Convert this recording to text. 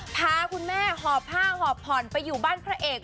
พาคุณแม่หอบผ้าหอบผ่อนไปอยู่บ้านพระเอก